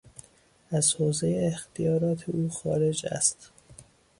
از حوزهی اختیارات او خارج است.